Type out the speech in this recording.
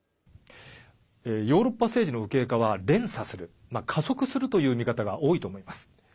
ヨーロッパ政治の右傾化は連鎖する、加速するという見方が多いと思います。